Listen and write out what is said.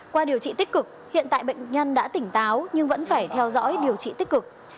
qua điều trị tích cực hiện tại bệnh nhân đã tỉnh táo nhưng vẫn phải theo dõi điều trị tích cực